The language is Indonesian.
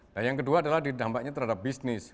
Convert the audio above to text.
nah yang kedua adalah dampaknya terhadap bisnis